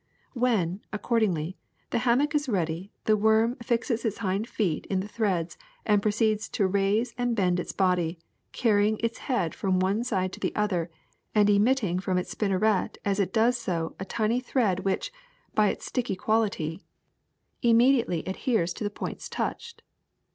When, accordingly, the hammock is ready the worm fixes its hind feet in the threads and proceeds to raise and bend its body, carrying its head from one side to the other and emitting from its spinneret as it does so a tiny thread which, by its sticky quality, 1 See "Tlie Story Book of Science." 20 SILK 21 immediately adheres to the points touched.